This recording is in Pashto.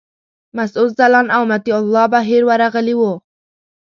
مسعود ځلاند او مطیع الله بهیر ورغلي وو.